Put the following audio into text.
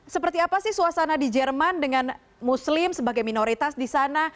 seperti apa sih suasana di jerman dengan muslim sebagai minoritas di sana